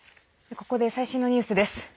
ここで最新のニュースです。